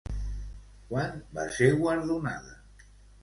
Quan va ser guardonada?